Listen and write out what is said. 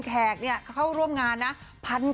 ก็มี๑๔มีนากับ๒๔มีนาค่ะ